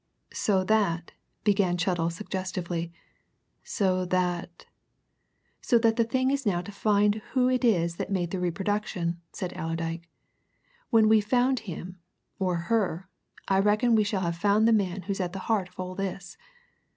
"So that," began Chettle suggestively, "so that " "So that the thing now is to find who it is that made the reproduction," said Allerdyke. "When we've found him or her I reckon we shall have found the man who's at the heart of all this.